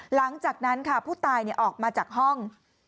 หลังจากนั้นค่ะผู้ตายออกมาจากห้อง